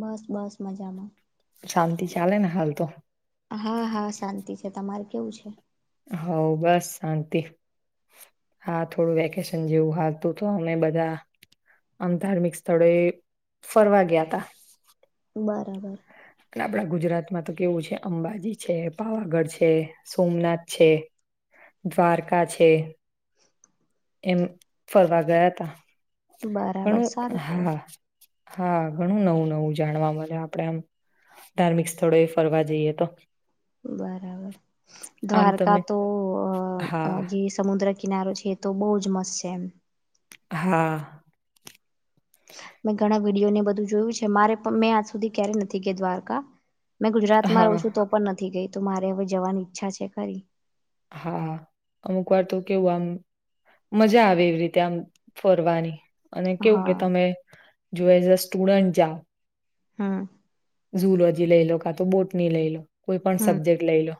બસ બસ મજામાં. શાંતિ ચાલે ને હાલ તો. હા હા શાંતિ છે, તમારે કેવું છે? હ બસ શાંતિ. હા થોડું વેકેશન જેવું હાલતું તો અમે બધા આમ ધાર્મિક સ્થળો એ ફરવા ગયા ત્યા. બરાબર. આપડા ગુજરાતમાં તો કેવું છે અંબાજી છે પાવાગઢ છે સોમનાથ છે. દ્વારકા છે. એમ ફરવા ગયા ત પણ બરાબર હ સારું કેવાય. હા. હા ઘણું નવું નવું જાણવા મળે આપડે આમ. ધાર્મિક સ્થળો એ ફરવા જઈએ તો. બરાબર આમ તમે દ્વારકા તો અ હા જે સમુદ્ર કિનારો છે એ તો બહુજ મસ્ત છે એમ. હા. મેં ઘણા વિડીયોને બધું જોયું છે મારે પણ મેં આજ સુધી ક્યારેય નથી કે દ્વારકા. મેં ગુજરાતમાં હા રહું છું તો પણ નથી ગઈ તું મારે હવે જવાની ઈચ્છા છે ખરી હા અમુક વાર તો કેવું આમ મજા આવે એવી રીતે આમ ફરવાની અને કેવું કે હા તમે જો એઝ અ સ્ટુડન્ટ જાઓ હા ુલોજી લઈ લો કા તો બોટની લઈ લો કોઈ પણ હમ સબ્જેક્ટ લઈ લો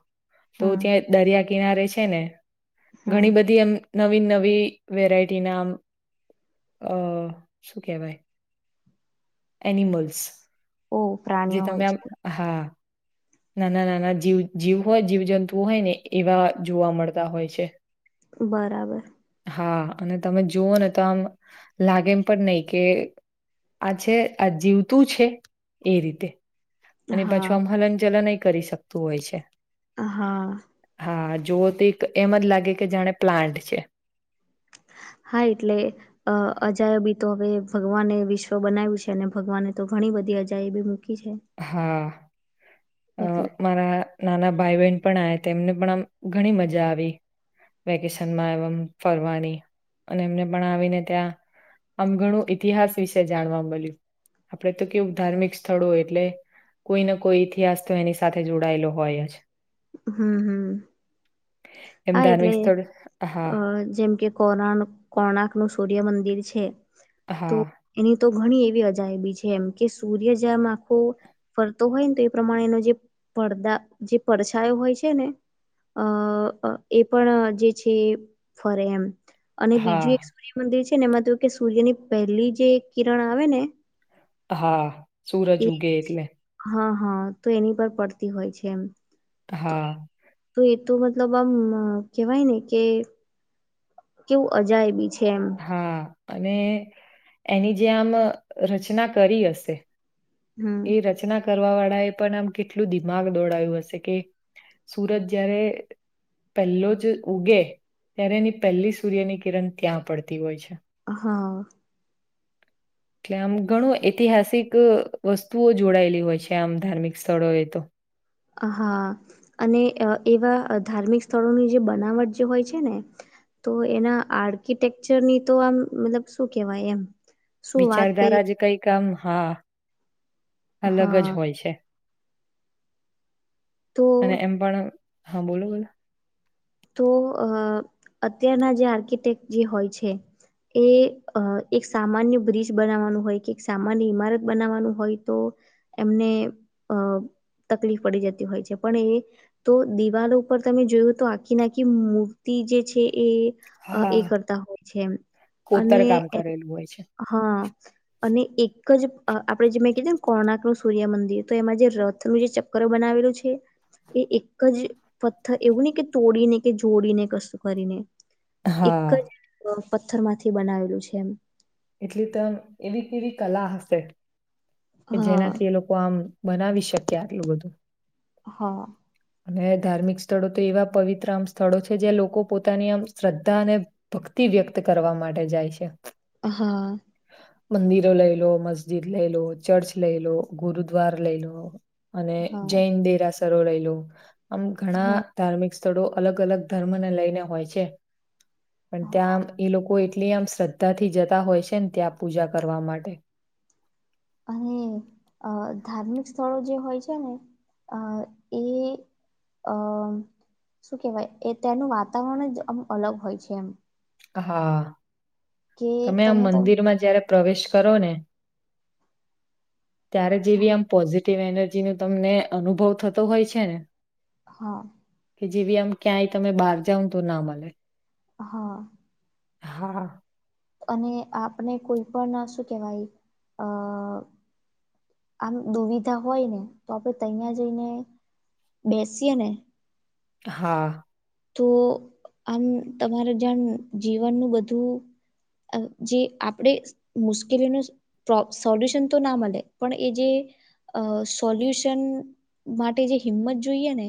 તો હમ ત્યાં દરિયા કિનારે છે ને હમ. ઘણી બધી એમ નવી નવી વેરાયટી ના આમ અ શું કેહેવાય એનિમલ્સ ઓ જે પ્રાણીઓ હોય તમે આમ છે હા નાના નાના જીવ જીવ હોય જીવ જંતુ હોય ને એવા જોવા મળતા હોય છે બરાબર હા અને તમે જુઓ ને તો આમ લાગે એમ પણ નહી કે આ છે આ જીવતું છે એ રીતે અને હા પાછું આમ હલન ચલનય કરી શકતું હોય છે હા હા જોવો તો એક એમ જ લાગે કે જાણે પ્લાન્ટ છે હા એટલે અ અજાયબી તો હવે ભગવાને વિશ્વ બનાવ્યું છે અને ભગવાને તો ઘણી બધી દી જાય બ હા અ એટલે મારા નાના ભાઈ બહેન પણ આ તેમને પણ આમ ઘણી મજા આવી વેકેશનમાં એ ફરવાની અને એમને પણ આવીને ત્યાં આમ ઘણું ઈતિહાસ વિશે જાણવા મળ્યું આપડે તો કેવું ધાર્મિક સ્થળો એ એટલે કોઈને કોઈ ઇતિહાસ તો એની સાથે જોડાયેલો હોય જ હમ હમ એમ હા ધાર્મિક એટલે સ્થળ હા અ જેમ કે કો કોણાક નું સૂર્યમંદિર છે તો હા એની તો ઘણી એવી અજાયબી છે એમ કે સૂર્ય જેમ આખો ફરતો હોય ને તો એ પ્રમાણે એનો જે પડદા જે પડછાયો હોય છે ને અ એ પણ જે છે ફરે એમ અને બીજું એ હા સૂર્યમંદિર છે એમાં તોું કે સૂર્યની પહેલી જે કિરણ આવે ને હા એ સુૂરજ ઉગે એટલે હા હા તો એની પર પડતી હોય છે એમ હા તો એ તો મતલબ આમ કેહેવાય ને કે કેવું અજાયબી છે કેમ હા અને એની જે આમ રચના કરી હશે હમ એ રચના કરવા વાળા એ પણ આમ કેટલું દિમાગ દોડાયું હશે કે સુરત જયારે પહેલો જ ઉગે ત્યારે એની પહેલી સૂર્યની કિરણ ત્યાં પડતી હોય છે હા એટલે આમ ઘણું ઐતિહાસિક વસ્તુઓ જોડાયેલી હોય છે આમ ધાર્મિક સ્થળોએ તો હા અને એવા ધાર્મિક સ્થળોની જે બનાવટ જે હોય છે ને તો એના આર્કિટેકચરની તો આમ મતલબ શું કેવાય એમ શું વાત વિચારધારા કરીએ જ કઈકામ હા અલગ હા જ હોય છે તો અને એમ પણ હા બોલો બોલો તો અ અત્યારના જે આર્કિટેક્ટ જે હોય છે એ એક સામાન્ય બ્રિજ બનાવવાનું હોય કે એક સામાન્ય ઈમારત બનાવવાનું હોય તો એમને અ તકલીફ પડી જતી હોય છે પણ એ તો દિવાલો ઉપર તમે જોયું તો કે નકી મૂર્તિ જે છે એ એ હા કરતા હોય છે અને કોતર કામ કરેલું હોય છે હા અને એક એક જ આપણે જે મેં કીધે ને કોણાક નું સૂર્યમંદિર તો એમાં જે રથનું જે ચક્કર બનાવેલું છે એ એક જ પથ્થર એવું નહી કે તોડીને કે જોડીને કશું કરીને એક હા જ પથ્થર માંથી બનાવેલું છે એમ એટલી ત એવી કેવી કલા હશે કે હા જેનાથી એ લોકો આમ બનાવી શક્યા આટલું બધું હા અને ધાર્મિક સ્થળો તો એવા પવિત્ર આમ સ્થળો છે જે્યાં લોકો પોતાની આમ શ્રદ્ધા અને ભક્તિ વ્યક્ત કરવા માટે જાય છે હા મંદિરો લઈ લો મસ્જિદ લઈ લો ચર્ચ લઈ લો ગુરુદ્વાર લઈ લો અને હા જૈન દેરાસરો લઈલું આમ ઘણા હા ધાર્મિક સ્થળો અલગ અલગ ધર્મને લઈને હોય છે પણ હા ત્યાં એ લોકો એ એટલી આમ શ્રદ્ધા થી જતા હોય છે ને ત્યાં પૂજા કરવા માટે અને અ ધાર્મિક સ્થળો જે હોય છે ને અ એ અમ શું કેહેવાય એ તેનું વાતાવરણ જ આમ અલગ હોય છે એમ હા કે તમે આમ તહીંયા તો મંદિરમાં જયારે પ્રવેશ કરો ત હા જેમ એનર્જી નો તમને અનુભવ થતો હોય છે ને હા કે જેવી આમ ક્યાંય તમે બહાર જાાવ તું ના મળે હા હા અને આપણે કોઈ પણ શું કેહેવાય અ આમ દુવિધા હોય ને તો આપડે તહયા જઈને બેસી્ય ને હા તો આમ તમારે જાણ જીવનનું બધું જે આપણે મુશ્કેલીનુંો સોલ્યુશન તો ના મળે પણ એ જે અ સોલ્યુશન માટે જે હિંમત જોઈએ ને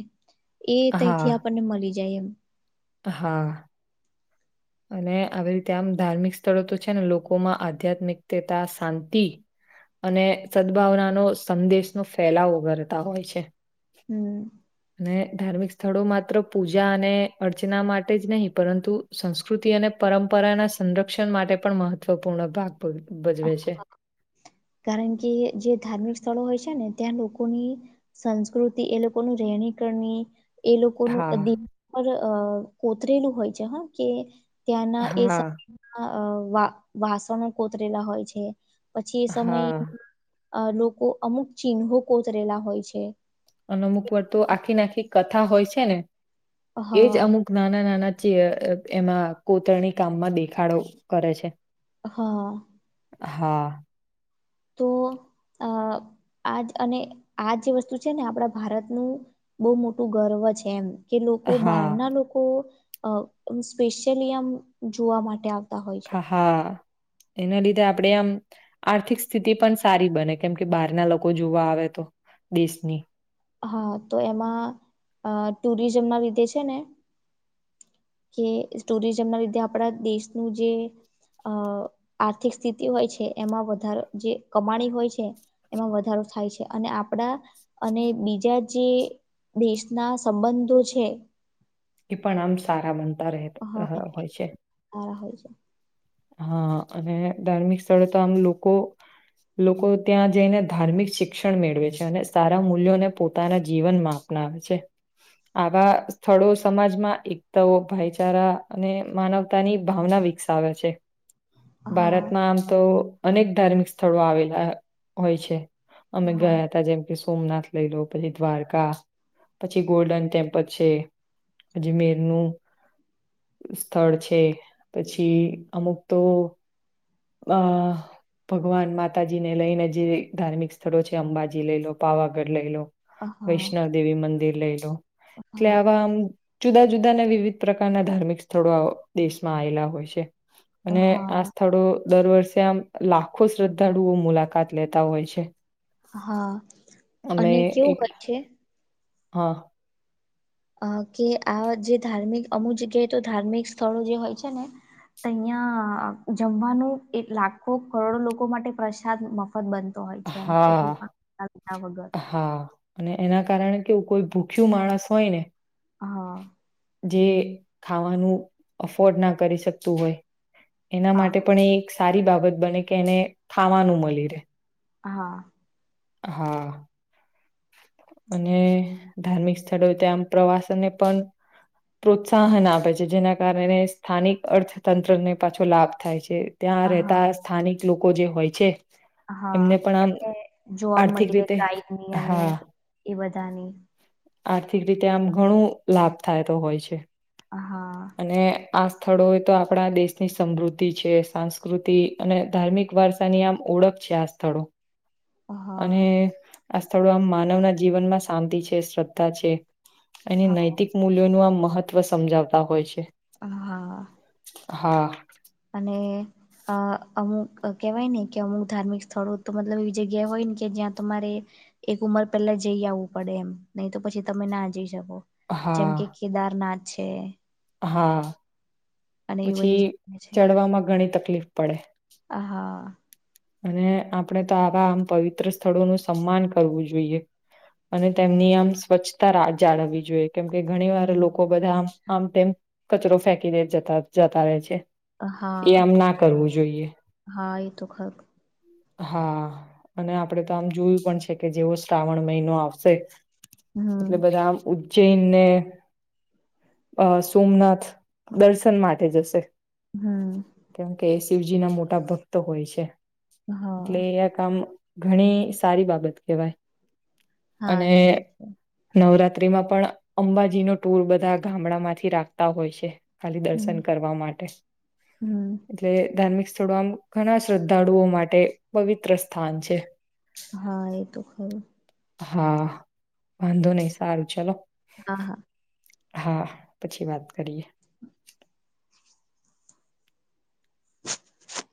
એ હા, તથી આપણને મળી જાય એમ હા અને આવી રીતે આમ ધાર્મિક સ્થળો તો છે ને લોકોમાં આધ્યાત્મિકતા શાંતિ અને સદભાવનાનો સંદેશનોો ફેલાવો કરતા હોય છે હમ અને ધાર્મિક સ્થળો માત્ર પૂજા અને અર્ચના માટે જ નહીં પરંતુ સંસ્કૃતિ અને પરંપરાના સંરક્ષણ માટે પણ મહત્વપૂર્ણ ભાગ ભજવે છે કારણ કે જે ધાર્મિક સ્થળો હોય છે છે ને ત્યાં લોકોની સંસ્કૃતિ એ લોકો ન રહેણી કરણી એ લોકોનું હા, દિનર કોતરેલું હોય છે હ કે ત્યાંના એ હા, વાસણો કોતરેલા હોય છે પછી એ સમયે હા અ લોકો અમુક ચિહ્નો કોતરેલા હોય છે અને અમુક વાર તો આખી નાખી કથા હોય છે ને એજ હા અમુક નાના નાના ી એમાં કોતરની કામમાં દેખાડો કરે છે હા હા તો અ આજ અને આ જે વસ્તુ છે ને આપણા ભારતનું બહુ મોટું ગર્વ પછ એમ. કે લોકો હા બહારના લોકો સ્પેશિયલી આમ જોવા માટે આવે. ખ હા. એના લીધે આપણેે આમ આર્થિક સ્થિતિ પણ સારી બને કેમ કે બહારના લોકો જોવા આવે તો. દેશની. હા તો એમાં ટુરિઝમ ના લીધે છે ને. કે ટુરિઝમ ના લીધે આપણા દેશનું જે. અ આર્થિક સ્થિતિ હોય છે એમાં વધારો જે કમાણી હોય છે એમાં વધારો. થાય છે અને આપડા અને. બીજા જે દેશના સંબંધો છે. એ પણ આમ સારા બનતા રહે હ હોય છે. સારા હોય છે હા અને ધાર્મિક સ્થળે તો આમ લોકો. લોકો ત્યાં જઈને ધાર્મિક શિક્ષણ મેળવે છે અને સારા મૂલ્યોને પોતાના જીવનમાં. અપનાવે છે. આવા સ્થળો સમાજમાં એકતાઓ ભાઈચારા અને માનવતાની ભાવના. વિક્સ આવે છે. હા ભારતમાં આમ તો અનેક ધાર્મિક સ્થળો આવેલા હોય છે. અમે હા ગયા હતા જેમ કે, સોમનાથ લઈ લો પછી દ્વારકા પછી ગોલ્ડન ટેમ્પલ છે. અજમેર નું સ્થળ છે પછી. અમુક તો આ. ભગવાન માતાજીને લઈને જે ધાર્મિક સ્થળો છે અંબાજી લઈ લો પાવાગઢ લઈ લો. હા વૈષ્ણવ દેવી મંદિર લઈ લો એટલે હા આવા આમ- જુદા જુદાને વિવિધ પ્રકારના ધાર્મિક સ્થળો દેશમાં આવેલા હોય છે. અને આ હા સ્થળો, દર વર્ષે આમ લાખો શ્રદ્ધાળુઓ મુલાકાત લેતા હોય છે. હા અમે અને કેવું એક હોય છે. હા. અ કે આ જે ધાર્મિક અમુક જગ્યાએ તો ધાર્મિક સ્થળો જે હોય છે ને. તો અહં જમવાનું લાખો કરોડો લોકો માટે પ્રસાદ મફ. બનતો હોય છે એમ તો. હા લીધા વગર હા અને એના કારણે કેવ કોઈ ભૂખ્યું માણસ હોય ને. હા જે ખાવાનું અફોર્ડ ના કરી શકતું હોય એના હા માટે પણ એ. સારી બાબત બને કે એને ખાવાનું મળી રહેે. હા હા અને ધાર્મિક સ્થળો ત્યાં આ પ્રવાસનને પણ પ્રોત્સાહન આપે છે જેના કારણે સ્થાનિક અર્થતંત્રને પાછો લાભ થાય છે. ત્યાં હા રહેતા સ્થાનિક લોકો જે હોય છે. હા પણ આમ એમને જોબ આર્થિક મળી દે રીતે ગાય ની, અને હા એ બધાની, આર્થિક રીતે આમ ઘણું લાભ થાયતો હોય છે. હા અને. આ સ્થળો તો આપણા દેશની સમૃદ્ધિ છે સાસ્કૃતિ અને ધાર્મિક વારસાની આમ. ઓળખ છે આ સ્થળો. હા. અને આ સ્થળો આમ માનવ ના જીવનમાં શાંતિ છે શ્રદ્ધા છે એની નૈતિક મૂલ્યોનું આમ. મહત્વ સમજાવતા હોય છે. હ હા. હા. હમ. અ અમુક કેહેવાય ને કે અમુક ધાર્મિક સ્થળો તો મતલબ એવી જગ્યા હોય ને કે જ્યાં તમારે એક ઉંમર પેલા જઈ આવવું પડે એમ નહી તો પછી તમે ના જઈ શકો. જેમ હા કે કેદારનાથ છે. હા, અને એ પછી બધી જગ્યા છે ચડવામાં ઘણી તકલીફ પડે. હા અને આપણે તો આવા આમ પવિત્ર સ્થળોનું સન્માન કરવું જોઈએ. અને તેમની આમ સ્વચ્છતાહ જાળવવી જોઈએ કેમકે ઘણીવાર લોકો બધા આમ આમ તેમ કચરો ફેંકીને જતા જતા રહે છે. હા, એ આમ ના કરવું જોઈએ હા એ તો ખક હા અને આપણેે તો આમ જોયું પણ છે કે જેવો શ્રાવણ મહિનો આવશે. એટલે હમ બધા આમ જૈનને, અ સોમનાથ દર્શન માટે જશે. હમ. કેમ કે શિવજી ના મોટા ભક્ત હોય છે, એટલે હા એ આ કામ ઘણી સારી બાબત કહેવાય, હા અને એ તો છે નવરાત્ર રાત્રીમાં પણ અંબાજી ન ટુર બધા ગામડા માંથી રાખતા હોય છે. ખાલી હમ દર્શન કરવા માટે, હમ એટલે ધાર્મિક સ્થળો આમ ઘણા શ્રદ્ધાળુઓ માટે પવિત્ર સ્થાન છે. હા એ તો ખર. હા, વાંધો નહી સારું ચલો હા હા. હા પછી વાત કરીએ. [inaudible]